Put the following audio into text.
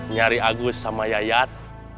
nyari agus sama yayat